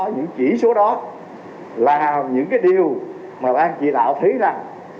những chỉ số đó là những điều mà bang chỉ đạo thấy rằng